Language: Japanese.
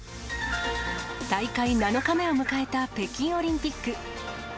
大会７日目を迎えた北京オリンピック。